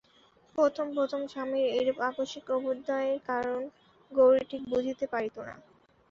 প্রথম প্রথম স্বামীর এইরূপ আকস্মিক অভ্যুদয়ের কারণ গৌরী ঠিক বুঝিতে পারিত না।